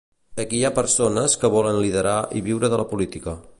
Aquí hi ha persones que volen liderar i viure de la política.